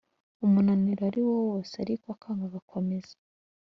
umunaniro ariwose ariko akanga agakomeza,